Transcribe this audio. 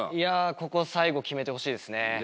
ここ最後決めてほしいですね。